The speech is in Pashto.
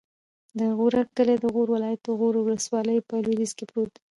د غورک کلی د غور ولایت، غورک ولسوالي په لویدیځ کې پروت دی.